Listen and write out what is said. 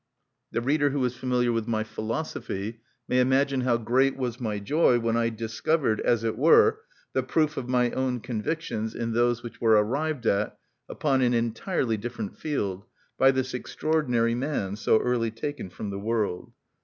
_" The reader who is familiar with my philosophy may imagine how great was my joy when I discovered, as it were, the proof of my own convictions in those which were arrived at upon an entirely different field, by this extraordinary man, so early taken from the world.